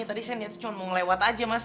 tadi saya lihat cuma mau ngelewat aja mas